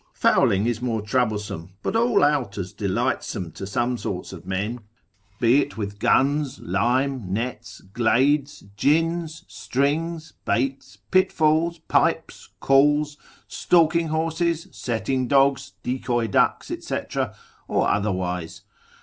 Fowling is more troublesome, but all out as delightsome to some sorts of men, be it with guns, lime, nets, glades, gins, strings, baits, pitfalls, pipes, calls, stalking horses, setting dogs, decoy ducks, &c., or otherwise.